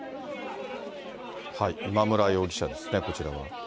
今村容疑者ですね、こちらは。